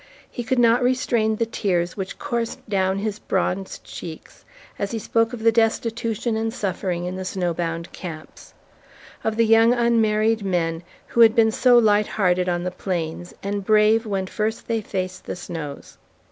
He could not restrain the tears which coursed down his bronzed cheeks as he spoke of the destitution and suffering in the snow bound camps; of the young unmarried men who had been so light hearted on the plains and brave when first they faced the snows.